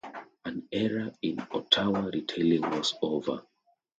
An era in Ottawa retailing was over.